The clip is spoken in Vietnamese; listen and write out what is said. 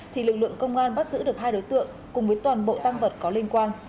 thì lực lượng công an bắt giữ được hai đối tượng cùng với toàn bộ tăng vật có liên quan